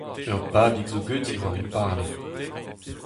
Ur babig zo ganti war he barlenn.